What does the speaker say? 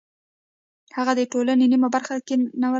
هغوی د ټولنې نیمه برخه کینوله.